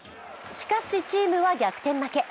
しかし、チームは逆転負け。